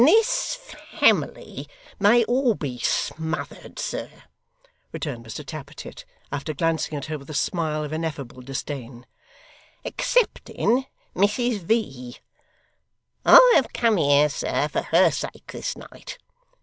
'This family may ALL be smothered, sir,' returned Mr Tappertit, after glancing at her with a smile of ineffable disdain, 'excepting Mrs V. I have come here, sir, for her sake, this night.